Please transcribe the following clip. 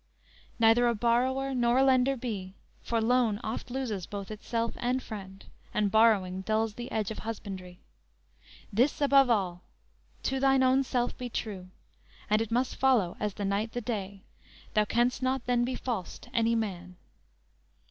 Neither a borrower nor a lender be; For loan oft loses both itself and friend, And borrowing dulls the edge of husbandry. This above all; to thine own self be true, And it must follow, as the night the day, Thou canst not then be false to any man!"